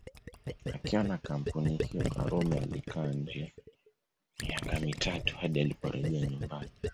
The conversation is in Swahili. Akiwa na kampuni hiyo Karume alikaa nje miaka mitatu hadi aliporejea nyumbani